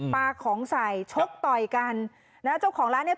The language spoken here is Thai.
ปลาของใส่ชกต่อยกันนะเจ้าของร้านเนี้ย